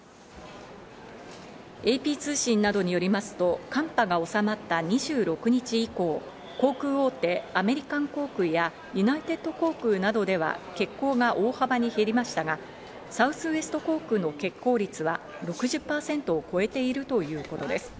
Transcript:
ＡＰ通信などによりますと寒波が収まった２６日以降、航空大手アメリカン航空やユナイテッド航空などでは欠航が大幅に減りましたが、サウスウエスト航空の欠航率は６０％を超えているということです。